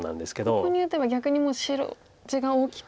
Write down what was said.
ここに打てば逆にもう白地が大きく。